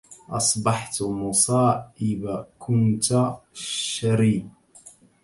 أصبت مصائب كنت الشري